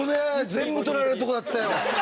全部取られるとこだったよ。